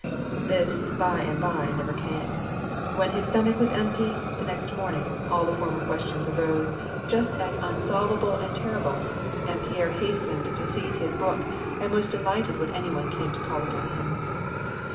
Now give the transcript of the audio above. This "by and by" never came. When his stomach was empty, the next morning, all the former questions arose, just 312 WAR AND PEACP, as unsolvable and terrible ; and Pierre hastened to seize his book, and was delighted when any one came to call upon him.